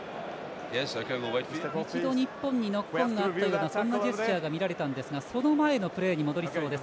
一度、日本にノックオンがあったようなそんなジェスチャーが見られましたがその前のプレーに戻りそうです。